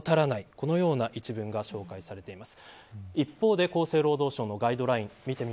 このような一文が紹介されています。